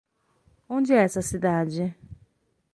Onde é essa cidade?